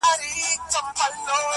دا هډوکی د لېوه ستوني کي بند سو-